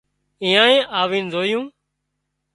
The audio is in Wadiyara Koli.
ايئانئي آوين زويون